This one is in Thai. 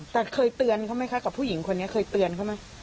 แต่เคยเตือนเขาไหมคะกับผู้หญิงคนนี้เคยเตือนเขาไหม